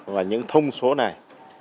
và những thông số này